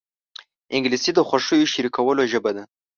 انګلیسي د خوښیو شریکولو ژبه ده